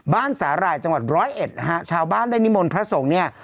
บ้านสาหร่ายจังหวัดร้อยเอ็ดชาวบ้านในนิมนต์พระศกเนี่ย